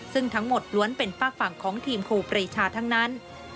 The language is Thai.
ซึ่งทั้งหมดล้วนเป็นฝากฝั่งของทีมครูปรีชาทั้งนั้น